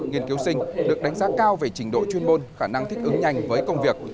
nghiên cứu sinh được đánh giá cao về trình độ chuyên môn khả năng thích ứng nhanh với công việc